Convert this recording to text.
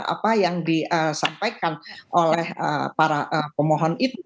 apa yang disampaikan oleh para pemohon itu